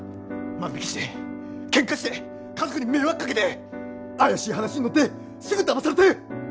万引きしてケンカして家族に迷惑かけて怪しい話に乗ってすぐだまされて。